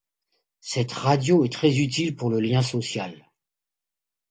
Cette radio est très utile pour le lien social.